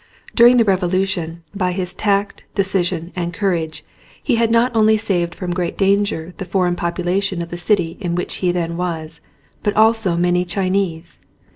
During the revolution by his tact, decision, and courage he had not only saved from great danger the foreign population of the city in which he then was, but also many Chinese.